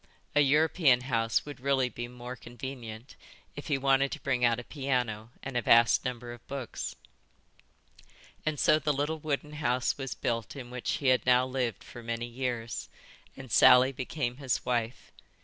A European house would really be more convenient if he wanted to bring out a piano and a vast number of books. And so the little wooden house was built in which he had now lived for many years, and Sally became his wife.